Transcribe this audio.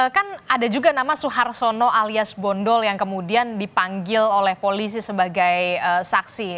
kan ada juga nama suharsono alias bondol yang kemudian dipanggil oleh polisi sebagai saksi